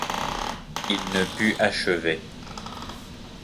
Il ne put achever.